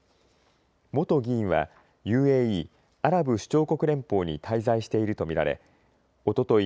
元議員はＵＡＥ・アラブ首長国連邦に滞在していると見られおととい